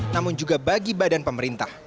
namun juga bagi badan pemerintah